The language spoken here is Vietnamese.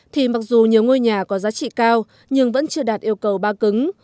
thì mặc dù nhiều ngôi nhà có giá trị cao nhưng vẫn chưa đạt yêu cầu ba cứng